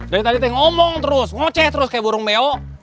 dari tadi ngeomong terus ngoceh terus kayak burung mewo